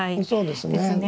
そうですね。